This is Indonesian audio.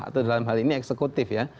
atau dalam hal ini eksekutif ya